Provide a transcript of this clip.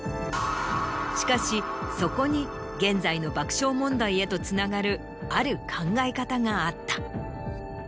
しかしそこに現在の爆笑問題へとつながるある考え方があった。